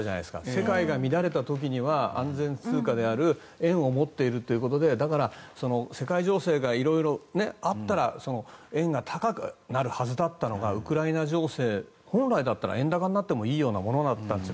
世界が乱れた時には安全通貨である円を持っているということで世界情勢が色々あったら円が高くなるはずだったのがウクライナ情勢、本来だったら円高になってもいいようなものだったんです。